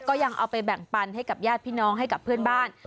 ก็ยังเอาไปแบ่งปันให้กับญาติพี่น้องให้กับเพื่อนบ้าน